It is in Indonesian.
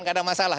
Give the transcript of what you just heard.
tidak ada masalah